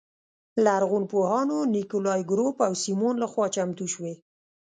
لرغونپوهانو نیکولای ګروب او سیمون لخوا چمتو شوې.